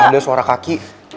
ada suara kaki